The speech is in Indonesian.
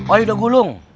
oh udah gulung